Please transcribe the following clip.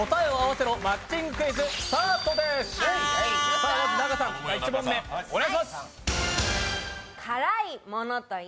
さあ、まず仲さん、１問目お願いします。